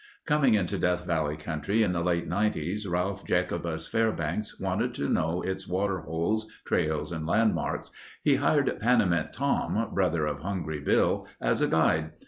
Coming into Death Valley country in the late Nineties, Ralph Jacobus Fairbanks wanted to know its water holes, trails, and landmarks. He hired Panamint Tom, brother of Hungry Bill, as a guide.